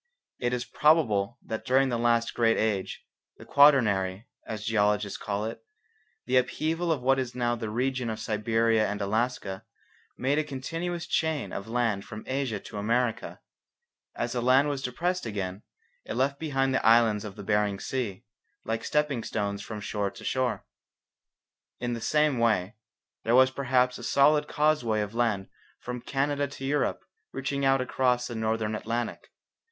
It is probable that during the last great age, the Quaternary, as geologists call it, the upheaval of what is now the region of Siberia and Alaska, made a continuous chain of land from Asia to America. As the land was depressed again it left behind it the islands in the Bering Sea, like stepping stones from shore to shore. In the same way, there was perhaps a solid causeway of land from Canada to Europe reaching out across the Northern Atlantic.